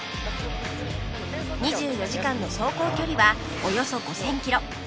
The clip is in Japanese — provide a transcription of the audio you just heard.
２４時間の走行距離はおよそ５０００キロ